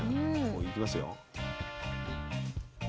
いきますよ。